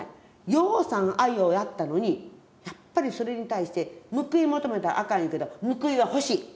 ようさん愛をやったのにやっぱりそれに対して報い求めたらあかん言うけど報いは欲しい。